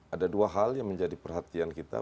ada dua hal yang menjadi perhatian kita